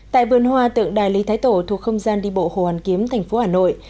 tại vườn hoa tượng đài lý thái tổ thuộc không gian đi bộ hồ hoàn kiếm thành phố hà nội